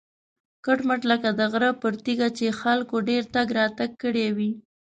کټ مټ لکه د غره پر تیږه چې خلکو ډېر تګ راتګ کړی وي.